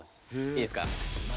いいですか？